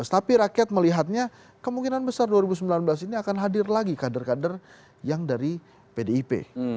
tapi rakyat melihatnya kemungkinan besar dua ribu sembilan belas ini akan hadir lagi kader kader yang dari pdip